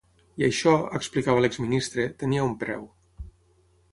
I això, explicava l’ex-ministre, tenia un preu.